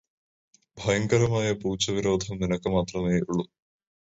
ഭയങ്കരമായ പൂച്ച വിരോധം നിനക്കു മാത്രമേയുള്ളൂ.